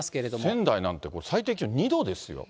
仙台なんて最低気温２度ですよ。